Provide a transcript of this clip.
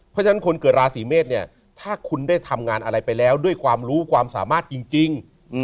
เพราะฉะนั้นคนเกิดราศีเมษเนี่ยถ้าคุณได้ทำงานอะไรไปแล้วด้วยความรู้ความสามารถจริง